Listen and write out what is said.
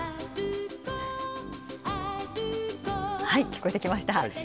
聞こえてきました。